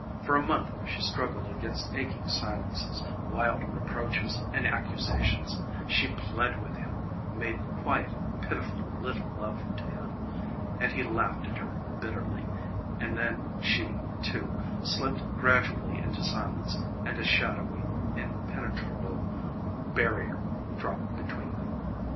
For a month she struggled against aching silences, wild reproaches and accusations she pled with him, made quiet, pitiful little love to him, and he laughed at her bitterly and then she, too, slipped gradually into silence and a shadowy, impenetrable barrier dropped between them.